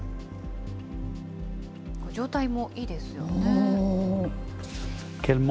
状態もいいですよね。